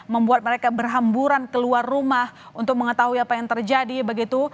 membuat mereka berhamburan keluar rumah untuk mengetahui apa yang terjadi begitu